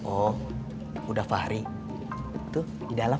oh udah fahri itu di dalam